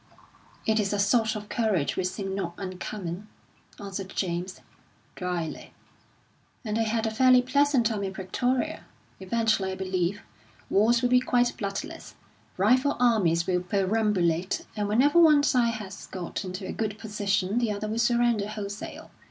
"It is a sort of courage which seemed not uncommon," answered James, drily. "And they had a fairly pleasant time in Pretoria. Eventually, I believe, wars will be quite bloodless; rival armies will perambulate, and whenever one side has got into a good position, the other will surrender wholesale.